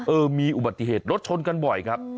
เออมีอุบัติเหตุรถชนกันบ่อยครับ